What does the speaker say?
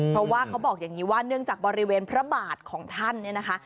เพราะว่าเขาบอกอย่างนี้ว่าเนื่องจากบริเวณพระบาทของท่านเนี่ยนะคะ